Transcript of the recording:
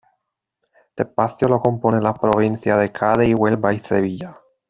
Este espacio lo componen las provincias de Cádiz, Huelva y Sevilla.